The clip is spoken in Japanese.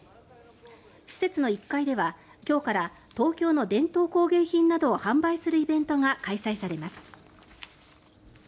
施設の１階では今日から東京の伝統工芸品などを販売するイベントが開催されます。